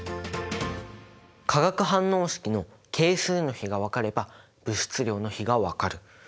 化学反応式の係数の比が分かれば物質量の比が分かる。